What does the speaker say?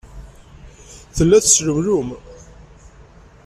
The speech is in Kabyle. Tella teslemlum.